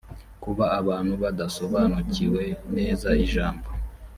kuba abantu badasobanukiwe neza ijambo